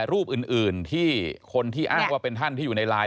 รูปอื่นที่คนที่อ้างว่าเป็นท่านที่อยู่ในไลน